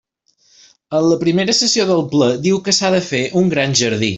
En la primera sessió del ple diu que s'ha de fer un gran jardí.